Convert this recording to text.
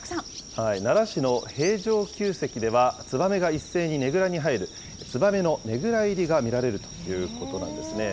奈良市の平城宮跡では、ツバメが一斉にねぐらに入る、ツバメのねぐら入りが見られるということなんですね。